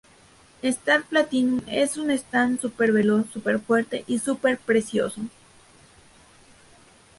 Star Platinum es un Stand súper veloz, súper fuerte y súper preciso.